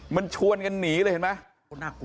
มันชวนกันหนีเลยเห็นไหม